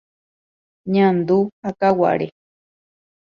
Ñandu ha Kaguare.